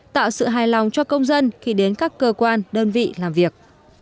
tạo sự hài lòng cho công dân khi đến các cơ quan đơn vị làm việc